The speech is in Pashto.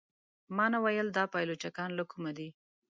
ما نه ویل دا پايي لچکان له کومه دي.